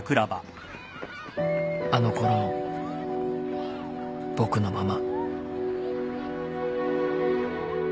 ［あのころの僕のまま］